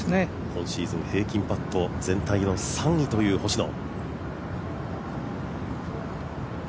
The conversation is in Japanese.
今シーズン、平均パット全体の３位という星野。